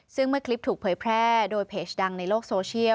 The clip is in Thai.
ซึ่งเมื่อคลิปถูกเผยแพร่โดยเพจดังในโลกโซเชียล